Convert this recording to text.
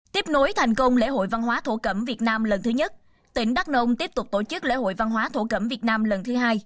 tiếp nối thành công lễ hội văn hóa thổ cẩm việt nam lần thứ nhất tỉnh đắk nông tiếp tục tổ chức lễ hội văn hóa thổ cẩm việt nam lần thứ hai